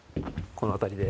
この辺りで。